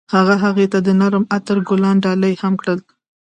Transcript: هغه هغې ته د نرم عطر ګلان ډالۍ هم کړل.